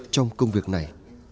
trong công việc này